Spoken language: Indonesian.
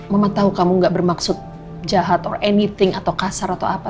mama tahu kamu gak bermaksud jahat or anything atau kasar atau apa